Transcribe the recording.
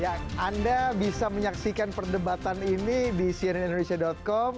ya anda bisa menyaksikan perdebatan ini di cnnindonesia com